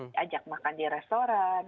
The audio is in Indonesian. diajak makan di restoran